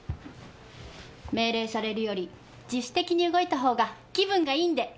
命令されるより自主的に動いたほうが気分がいいんで。